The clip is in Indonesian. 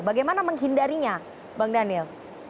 bagaimana menghindarinya bang daniel